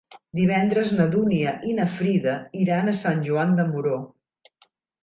Divendres na Dúnia i na Frida iran a Sant Joan de Moró.